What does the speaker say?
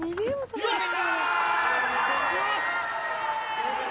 よし！